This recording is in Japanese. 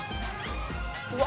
うわ！